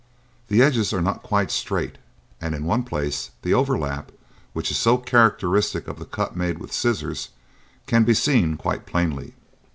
The edges are not quite straight, and in one place the 'overlap,' which is so characteristic of the cut made with scissors, can be seen quite plainly."